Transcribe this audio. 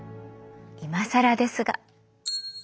いまさらですが。